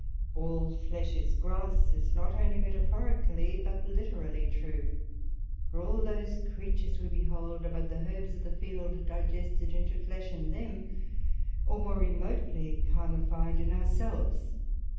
All flesh is grass, is not onely metaphorically, but litterally, true; for all those creatures we behold, are but the herbs of the field, digested into flesh in them, or more remotely carnified in our selves.